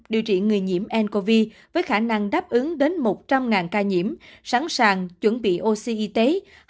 điều trị người nhiễm ncov với khả năng đáp ứng đến một trăm linh ca nhiễm sẵn sàng chuẩn bị oxy y tế